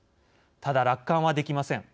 ただ、楽観はできません。